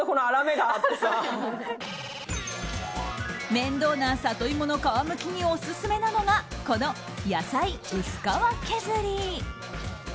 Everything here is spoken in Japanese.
面倒なサトイモの皮むきにオススメなのがこの野菜うす皮けずり。